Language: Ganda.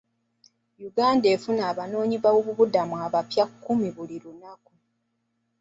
Uganda efuna abanoonyi boobubudamu abapya kkumi buli lunaku.